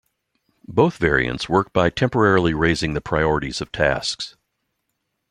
Both variants work by temporarily raising the priorities of tasks.